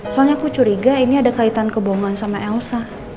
soalnya aku curiga ini ada kaitan kebohongan sama elsa